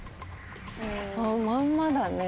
まんまだね。